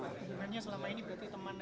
sebenarnya selama ini berarti teman